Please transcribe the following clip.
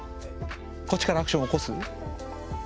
こっちからアクションを起こす？